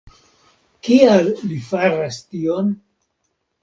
Kial li faras tion?